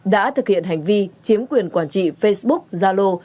đã thực hiện hành vi chiếm quyền quản trị facebook zalo